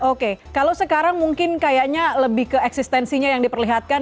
oke kalau sekarang mungkin kayaknya lebih ke eksistensinya yang diperlihatkan